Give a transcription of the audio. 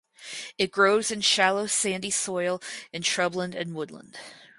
It grows in shallow sandy soil in shrubland and woodland.